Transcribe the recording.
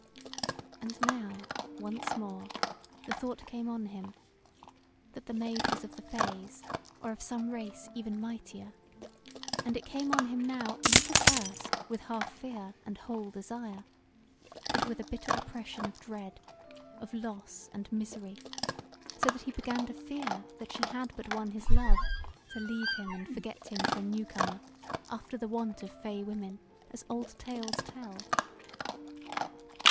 And now once more the thought came on him, that the Maid was of the fays, or of some race even mightier; and it came on him now not as erst, with half fear and whole desire, but with a bitter oppression of dread, of loss and misery; so that he began to fear that she had but won his love to leave him and forget him for a new comer, after the wont of fay women, as old tales tell.